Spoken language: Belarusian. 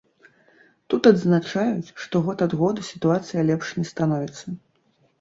Тут адзначаюць, што год ад году сітуацыя лепш не становіцца.